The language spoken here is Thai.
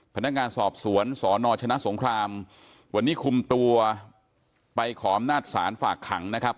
พนักงานสอบสวนสนชนะสงครามวันนี้คุมตัวไปขออำนาจศาลฝากขังนะครับ